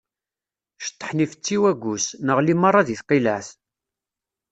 Ceṭḥen ifessi waggus, neγli meṛṛa di tqileԑt.